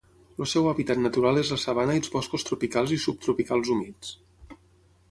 El seu hàbitat natural és la sabana i els boscos tropicals i subtropicals humits.